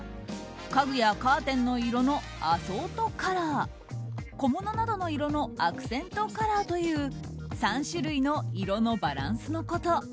家具やカーテンの色のアソートカラー小物などの色のアクセントカラーという３種類の色のバランスのこと。